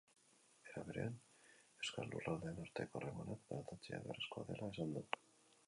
Era berean, euskal lurraldeen arteko harremanak aldatzea beharrezkoa dela esan du.